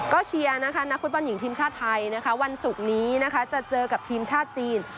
ก็เชียร์นะคะนักฟุตบอลหญิงทีมชาติไทยนะคะวันศุกร์นี้นะคะจะเจอกับทีมชาติจีน